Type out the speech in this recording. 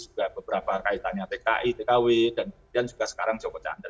juga beberapa kaitannya tki tkw dan kemudian juga sekarang joko chandra